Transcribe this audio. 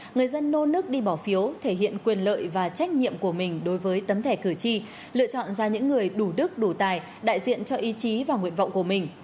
người dân nô nức đi bỏ phiếu thể hiện quyền lợi và trách nhiệm của mình đối với tấm thẻ cử tri lựa chọn ra những người đủ đức đủ tài đại diện cho ý chí và nguyện vọng của mình